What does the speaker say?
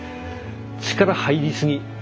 力入りすぎ。